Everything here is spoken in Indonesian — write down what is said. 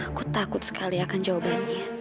aku takut sekali akan jawabannya